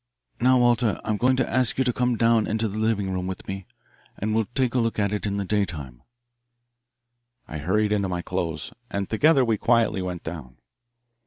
"Now, Walter, I'm going to ask you to come down into the living room with me, and we'll take a look at it in the daytime." I hurried into my clothes, and together we quietly went down.